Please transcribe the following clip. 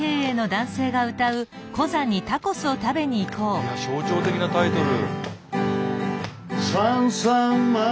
いや象徴的なタイトル。